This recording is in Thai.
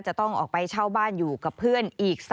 จะต้องออกไปเช่าบ้านอยู่กับเพื่อนอีก